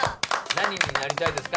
何になりたいですか？